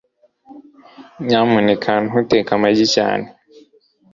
Nyamuneka ntuteke amagi cyane